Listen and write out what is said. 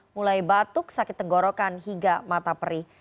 mulai batuk sakit tenggorokan hingga mata perih